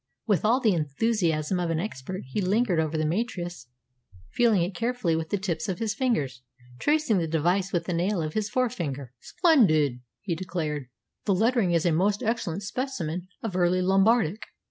With all the enthusiasm of an expert he lingered over the matrice, feeling it carefully with the tips of his fingers, and tracing the device with the nail of his forefinger. "Splendid!" he declared. "The lettering is a most excellent specimen of early Lombardic."